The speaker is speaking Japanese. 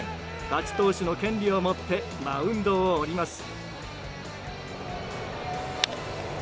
勝ち投手の権利を持ってマウンドを降ります。